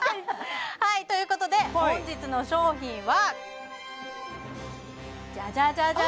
はいということで本日の商品はじゃじゃじゃじゃ